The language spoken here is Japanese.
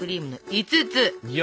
５つ！